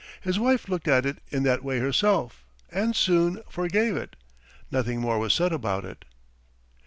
His wife looked at it in that way herself and soon ... forgave it. Nothing more was said about it.